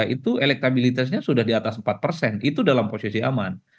itu elektabilitasnya sudah di atas empat persen itu dalam posisi aman